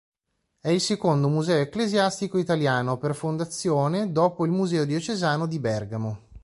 È il secondo museo ecclesiastico italiano per fondazione dopo il museo diocesano di Bergamo.